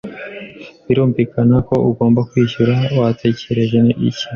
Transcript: Birumvikana ko ugomba kwishyura. Watekereje iki?